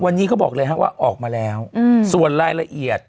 วันนี้เขาบอกเลยฮะว่าออกมาแล้วส่วนรายละเอียด